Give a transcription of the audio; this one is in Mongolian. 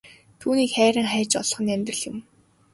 Түүнийг харин хайж олох нь амьдрал юм.